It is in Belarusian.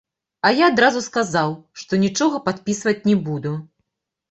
А я адразу сказаў, што нічога падпісваць не буду.